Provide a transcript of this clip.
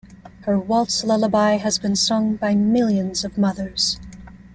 Her waltz-lullaby has been sung by millions of mothers.